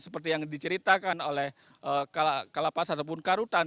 seperti yang diceritakan oleh kala pasar ataupun k rutan